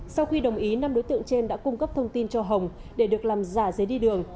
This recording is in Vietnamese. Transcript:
sau khi đồng ý năm đối tượng trên đã cung cấp thông tin cho hồng để được làm giả giấy đi đường